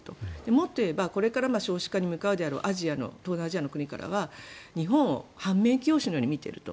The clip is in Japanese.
もっと言えばこれから少子化に向かうであろう東南アジアの国からは日本を反面教師のように見ていると。